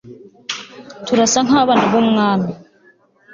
turasa nkabana b'umwami